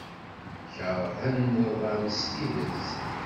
Keṛhen iḍan s tidet.